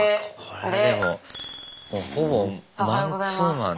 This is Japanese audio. これでもほぼマンツーマン。